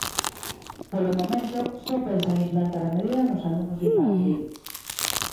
Polo momento, só pensan implantar a medida nos alumnos de infantil.